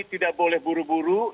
tidak boleh buru buru